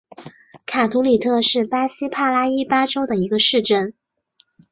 卡图里特是巴西帕拉伊巴州的一个市镇。